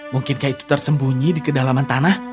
mungkinkah itu tersembunyi di kedalaman tanah